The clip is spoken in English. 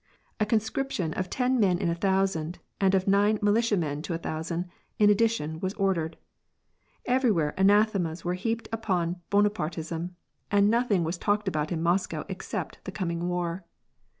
A conscription of ten men in a thousand, and of nine militianien to a thousand, in addition, was ordered. Every where anathemas were heaped upon Bonapai'teism, and nothing was talked about in Moscow except the coming war.